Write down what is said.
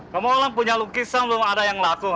kamu orang punya lukisan belum ada yang laku